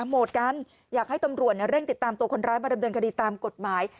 หมดกันอยากให้ตำรวจเร่งติดตามตัวคนร้ายมาดำเนินคดีตามกฎหมาย